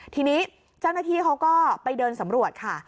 ทีนี้เจ้าหน้าที่เขาก็ไปเดินสำรวจค่ะ